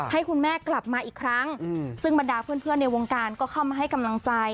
ให้คุณแม่กลับมาอีกครั้งซึ่งบรรดาเพื่อนในวงการก็เข้ามาให้กำลังใจ